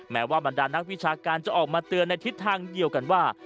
ว่าบรรดานักวิชาการจะออกมาเตือนในทิศทางเดียวกันว่า